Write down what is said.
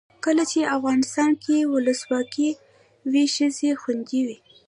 کله چې افغانستان کې ولسواکي وي ښځې خوندي وي.